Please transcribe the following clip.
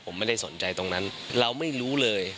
ผมไม่ได้สนใจตรงนั้นเราไม่รู้เลย